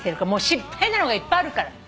失敗なのがいっぱいあるから。